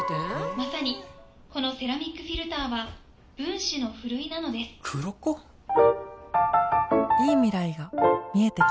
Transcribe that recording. まさにこのセラミックフィルターは『分子のふるい』なのですクロコ？？いい未来が見えてきた